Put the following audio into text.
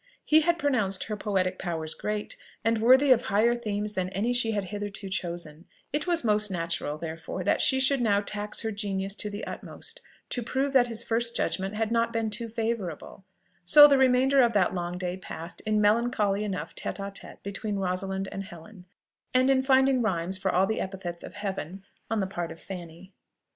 He had pronounced her poetic powers great, and worthy of higher themes than any she had hitherto chosen: if was most natural, therefore, that she should now tax her genius to the utmost, to prove that his first judgment had not been too favourable: so the remainder of that long day passed in melancholy enough tête à tête between Rosalind and Helen, and in finding rhymes for all the epithets of heaven on the part of Fanny.